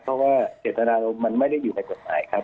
เพราะว่าเจตนารมณ์มันไม่ได้อยู่ในกฎหมายครับ